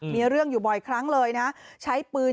มีเรื่องอยู่บ่อยครั้งเลยนะใช้ปืน